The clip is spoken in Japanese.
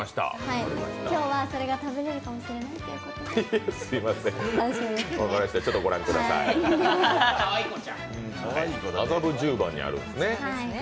今日はそれが食べれるかもしれないということで麻布十番にあるんですね。